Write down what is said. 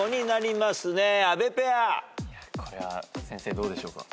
これは先生どうでしょうか？